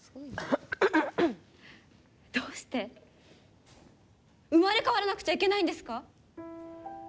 どうして生まれ変わらなくちゃいけないんですか？